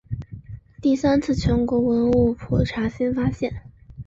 第三次全国文物普查新发现。